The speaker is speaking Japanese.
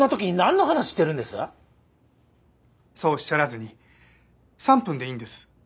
そうおっしゃらずに３分でいいんです。